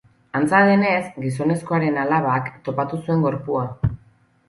Antza denez, gizonezkoaren alabak topatu zuen gorpua.